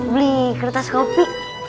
beli kertas kopi